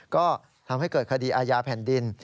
ก็ทำให้เกิดคดีอาญาแผ่นดิน